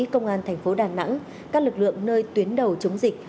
công an thành phố đà nẵng các lực lượng nơi tuyến đầu chống dịch